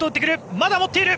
まだ持っている！